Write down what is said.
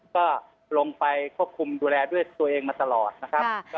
ก็ลงไปควบคุมดูแลด้วยตัวเองมาตลอดนะครับ